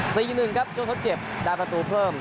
สี่หนึ่งครับช่วงทดเจ็บได้ประตูเพิ่ม